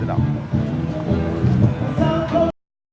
nah gitu dong